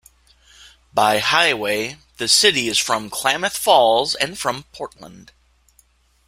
By highway, the city is from Klamath Falls and from Portland.